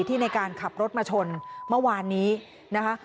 ที่ในการขับรถมาชนเมื่อวานนี้นะคะ